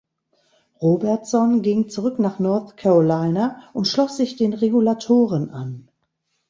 Robertson ging zurück nach North Carolina und schloss sich den Regulatoren an.